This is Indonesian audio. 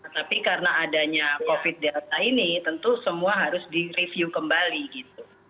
tapi karena adanya covid delta ini tentu semua harus direview kembali gitu